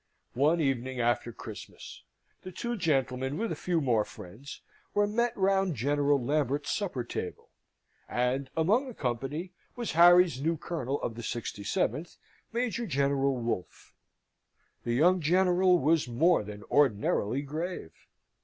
One evening after Christmas, the two gentlemen, with a few more friends, were met round General Lambert's supper table; and among the company was Harry's new Colonel of the 67th, Major General Wolfe. The young General was more than ordinarily grave.